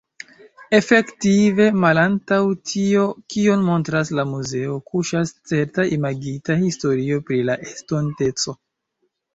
Efektive, malantaŭ tio kion montras la muzeo, kuŝas certa imagita historio pri la estonteco.